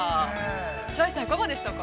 白石さん、いかがでしたか。